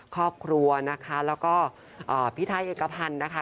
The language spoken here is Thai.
ครอบครัวนะคะแล้วก็พี่ไทยเอกพันธ์นะคะ